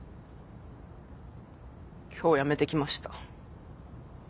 今日辞めてきました。